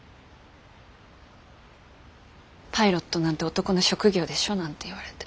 パイロットなんて男の職業でしょなんて言われて。